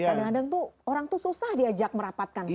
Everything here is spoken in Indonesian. kadang kadang orang itu susah diajak merapatkan soft